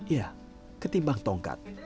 ya ketimbang tongkat